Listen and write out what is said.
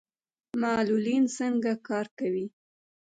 معلولین څنګه کار کوي؟